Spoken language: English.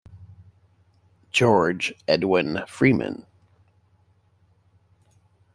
George Edwin Freeman.